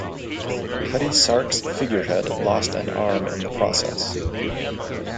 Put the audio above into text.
"Cutty Sark"s figurehead lost an arm in the process.